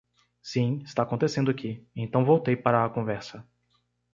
Sim, está acontecendo aqui, então voltei para a conversa.